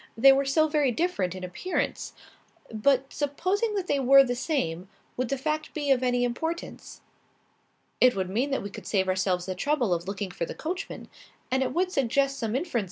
They were so very different in appearance. But supposing that they were the same; would the fact be of any importance?" "It would mean that we could save ourselves the trouble of looking for the coachman.